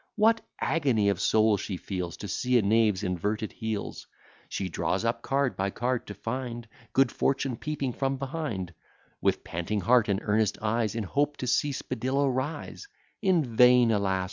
What agony of soul she feels To see a knave's inverted heels! She draws up card by card, to find Good fortune peeping from behind; With panting heart, and earnest eyes, In hope to see spadillo rise; In vain, alas!